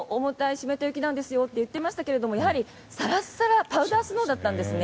湿った雪なんですよと言っていましたがやはり、サラサラパウダースノーだったんですね。